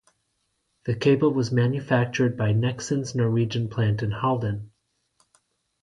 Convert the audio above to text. The cable was manufactured by Nexans Norwegian plant in Halden.